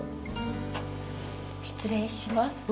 失礼します。